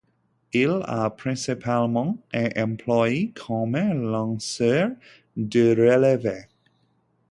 Il a principalement été employé comme lanceur de relève.